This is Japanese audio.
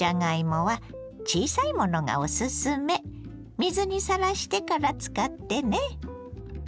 水にさらしてから使ってね。